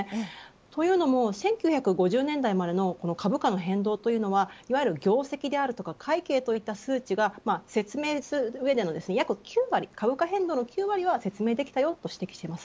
というのも１９５０年代までの株価の変動というのはいわゆる業績であるとか会計といった数値が説明する上での株価変動の９割は説明できたと指摘します。